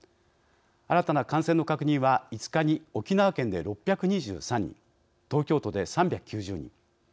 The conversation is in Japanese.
新たな感染の確認は５日に沖縄県で６２３人東京都で３９０人。